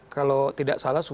kalau tidak salah